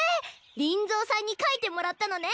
リンゾーさんに描いてもらったのね。